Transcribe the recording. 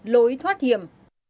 lối thoát hiểm